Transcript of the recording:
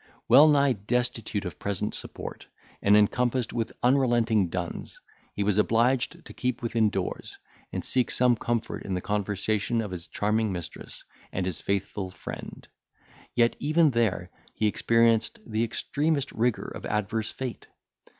Well nigh destitute of present support, and encompassed with unrelenting duns, he was obliged to keep within doors, and seek some comfort in the conversation of his charming mistress, and his faithful friend; yet, even there, he experienced the extremest rigour of adverse fate.